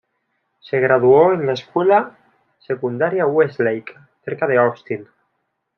Se graduó de la Escuela Secundaria Westlake, cerca de Austin.